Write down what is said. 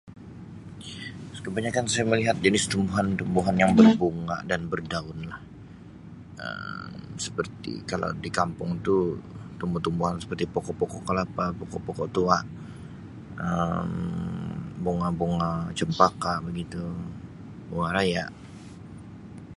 Kebanyakan saya melihat jenis tumbuhan-tumbuhan yang berbunga dan berdaun lah Um seperti kalau di kampung tu tumbuh-tumbuhan seperti pokok-pokok kelapa pokok-pokok tua Um bunga-bunga cempaka begitu bunga raya.